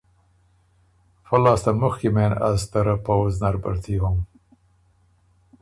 فۀ لاستۀ مخکی مېن از ته رۀ پؤځ نر بهرتی هوم۔